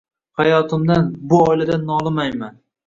Hayotimdan, bu oiladan nolimayman